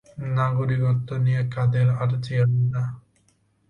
নাগরিকত্ব নিয়ে কাদের আরজি আলাদা?